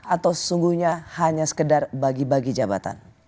atau sesungguhnya hanya sekedar bagi bagi jabatan